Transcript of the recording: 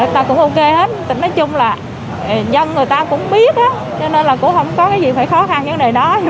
ta cũng ok hết tính nói chung là nhân người ta cũng biết á cho nên là cũng không có cái gì phải khó